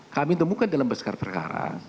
kami temukan dalam berskar perkara